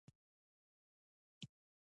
چې سود کوې سودا به مومې د سود بدمرغي بیانوي